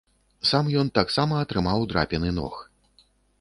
Сам ён таксама атрымаў драпіны ног.